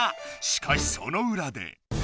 しかしそのうらで。